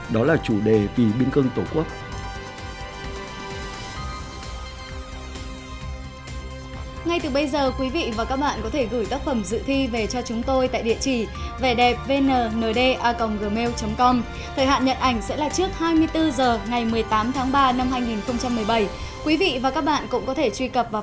đó là chủ đề vì biên cưng tổ quốc